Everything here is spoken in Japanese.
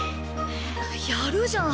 やるじゃん！